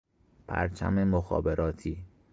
پرچم مخابراتی